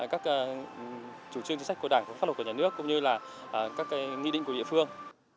các chủ trương chính sách của đảng pháp luật của nhà nước cũng như là các nghị định của địa phương